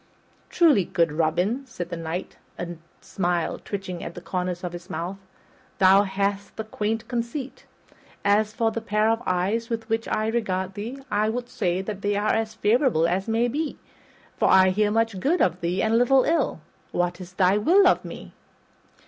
"Truly, good Robin," said the Knight, a smile twitching at the corners of his mouth, "thou hast a quaint conceit. As for the pair of eyes with which I regard thee, I would say that they are as favorable as may be, for I hear much good of thee and little ill. What is thy will of me?"